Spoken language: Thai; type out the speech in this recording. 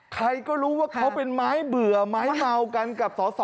ใครก็รู้ว่าเขาเป็นไม้เบื่อไม้เมากันกับสอสอ